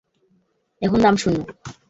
এখন দাম শূন্য।